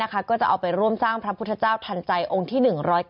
ก็จะเอาไปร่วมสร้างพระพุทธเจ้าทันใจองค์ที่๑๐๙